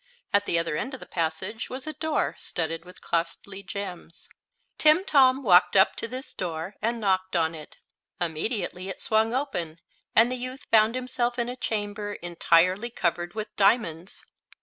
At the other end of the passage was a door studded with costly gems. Timtom walked up to this door and knocked on it. Immediately it swung open, and the youth found himself in a chamber entirely covered with diamonds.